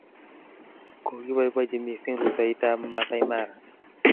Kokipoipotchi missing' rutoitap Maasai Mara.